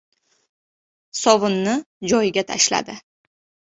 Sovunni joyiga tashladi.